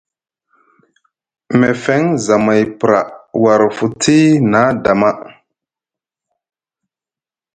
Mefeŋ zamay pra war futi na dama.